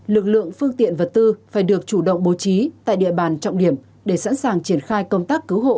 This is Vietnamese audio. lực lượng phương tiện vật tư phải được chủ động bố trí tại địa bàn trọng điểm để sẵn sàng triển khai công tác cứu hộ